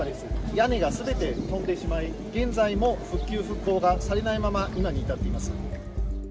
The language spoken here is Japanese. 屋根がすべて飛んでしまい、現在も復旧復興がされないまま、今に至っています。